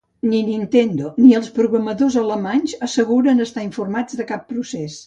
Ni Nintendo ni els programadors alemanys asseguren estar informats de cap procés.